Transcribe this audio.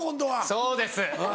そうです。